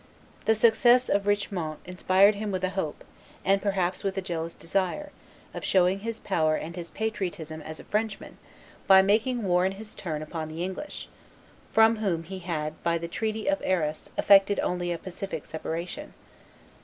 The success of Richemont inspired him with a hope, and perhaps with a jealous desire, of showing his power and his patriotism as a Frenchman by making war, in his turn, upon the English, from whom he had by the treaty of Arras effected only a pacific separation.